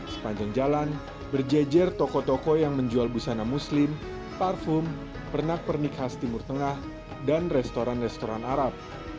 sepanjang jalan berjejer toko toko yang menjual busana muslim parfum pernak pernik khas timur tengah dan restoran restoran arab